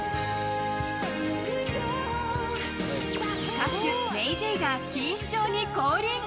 歌手ＭａｙＪ．が錦糸町に降臨！